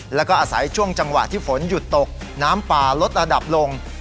แล้วก็อาศัยช่วงจังหวะที่ฝนหยุดตกน้ำป่าลดระดับลง